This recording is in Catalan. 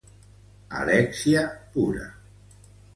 Alèxia pura.